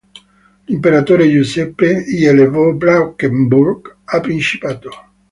L'imperatore Giuseppe I elevò Blankenburg a principato.